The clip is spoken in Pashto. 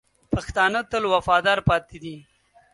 پښتانه تل وفادار پاتې دي.